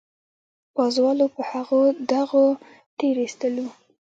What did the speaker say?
پازوالو په هغو دغو تېرېستلو.